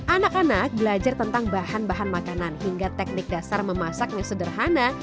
anak anak belajar tentang bahan bahan makanan hingga teknik dasar memasaknya sederhana